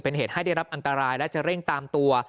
เป็นเหตุให้ได้รับอันตรายและจะเร่งตามตัว